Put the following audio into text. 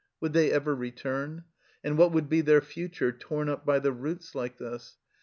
Would they ever return ? And what would be their future, torn up by the roots like this ?